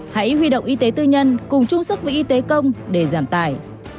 hãy huy động y tế tư nhân cùng chung sức với y tế công để giảm tải